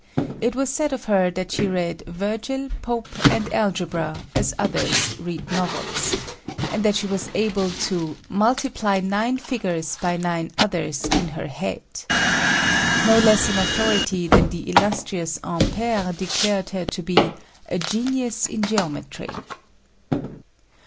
It was said of her that "she read Virgil, Pope and algebra as others read novels," and that she was able "to multiply nine figures by nine others in her head." No less an authority than the illustrious Ampère declared her to be "a genius in geometry."